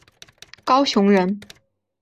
高雄人。